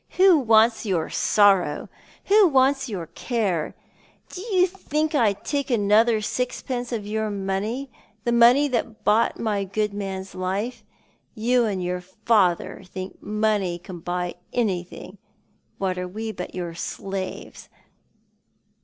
" Who wants your sorrow ? "Who wants your care? Do you think I'd take another sixpence of your money — the money that bought my good man's life. You and your father think money can buy anytliing. What are we but your slaves?